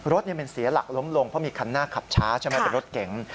รถมันเสียหลักล้มลงเพราะมีคันหน้าขับช้าใช่ไหมเป็นรถเก๋ง